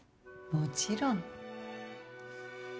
もちろん。